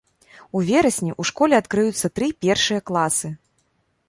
У верасні ў школе адкрыюцца тры першыя класы.